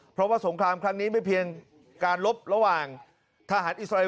เพราะว่าสงครามครั้งนี้ไม่เพียงการลบระหว่างทหารอิสราเอล